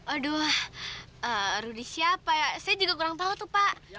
aduh rudy siapa saya juga kurang tahu tuh pak